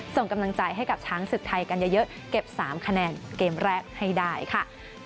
ส่งกำลังใจให้กับช้างศึกไทยกันเยอะเก็บ๓คะแนนเกมแรกให้ได้ค่ะ